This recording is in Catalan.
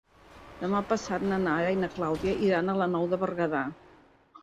Demà passat na Nara i na Clàudia iran a la Nou de Berguedà.